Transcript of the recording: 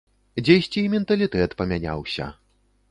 Дзесьці і менталітэт памяняўся.